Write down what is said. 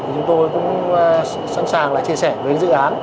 chúng tôi cũng sẵn sàng chia sẻ với dự án